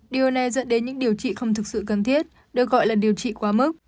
điều này dẫn đến những điều trị không thực sự cần thiết được gọi là điều trị quá mức